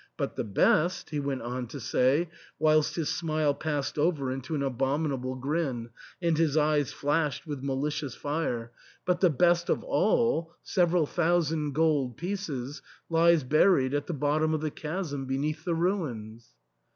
But the best," he went on to say, whilst his smile passed over into an abominable grin, and his eyes flashed with malicious fire, " but the THE ENTAIL. 281 best of all — several thousand gold pieces — lies buried at the bottom of the chasm beneath the ruins."